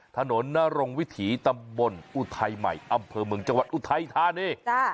ถนนนรงวิถีตำบลอุทัยใหม่อำเภอเมืองจังหวัดอุทัยธานี